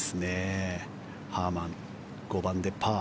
ハーマン、５番でパー。